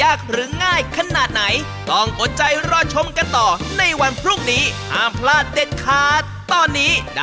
แต่คุณทางจักตัวหน้าตาคุณเหมือนถลอดมากนะ